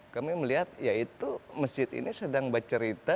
kami melihat ya itu masjid ini sedang bercerita